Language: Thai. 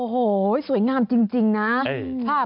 โอ้โหสวยงามจริงนะ